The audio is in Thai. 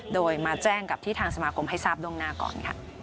โดยมาแจ้งกับที่ทางสมาคมให้ทราบล่วงหน้าก่อน